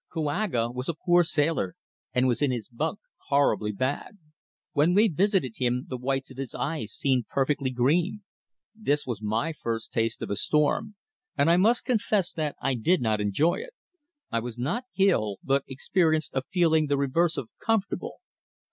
Kouaga was a poor sailor and was in his bunk horribly bad. When we visited him the whites of his eyes seemed perfectly green. This was my first taste of a storm, and I must confess that I did not enjoy it. I was not ill, but experienced a feeling the reverse of comfortable.